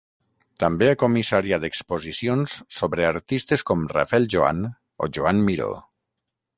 També ha comissariat exposicions sobre artistes com Rafel Joan o Joan Miró.